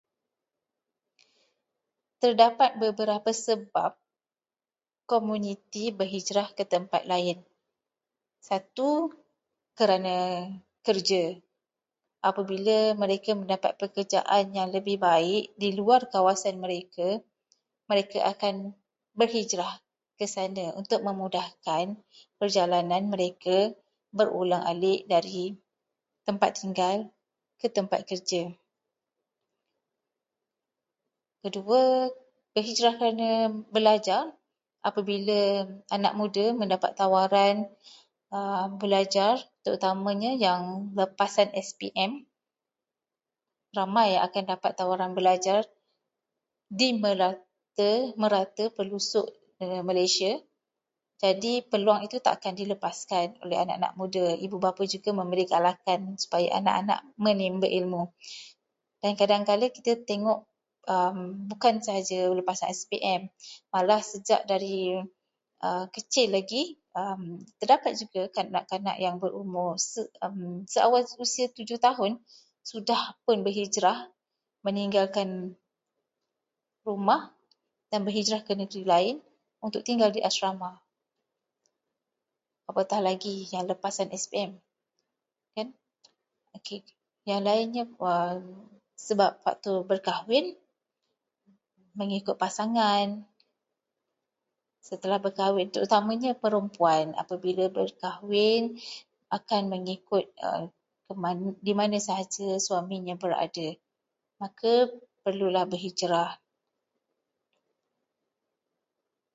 Terdapat beberapa sebab komuniti berhijrah ke tempat lain. Satu, kerana kerja. Apabila mereka mendapat kerja yang lebih baik di luar kawasan mereka, mereka akan berhijrah ke sana untuk memudahkan perjalanan mereka berulang-alik dari tempat tinggal ke tempat kerja. Kedua, berhijrah kerana belajar. Apabila anak muda mendapat tawaran belajar, terutamanya yang lepasan SPM, ramai yang akan dapat tawaran belajar di merata-rata pelosok negara Malaysia. Jadi peluang itu tak akan dilepaskan oleh anak-anak muda. Ibu bapa juga memberikan galakan supaya anak-anak menimba ilmu, dan kadangkala kita tengok bukan saja lepasan SPM, malah sejak kecil lagi, terdapat juga kanak-kanak yang berumur seawal usia tujuh tahun sudah pun berhijrah meninggalkan rumah dan berhijrah ke negeri lain untuk tinggal di asrama. Apatah lagi yang lepasan SPM. Yang lainnya, sebab faktor berkahwin. Mengikut pasangan setelah berkahwin. Terutamanya perempuan, apabila berkahwin, akan mengikut ke mana- di mana sahaja suaminya berada. Maka perlulah berhijrah.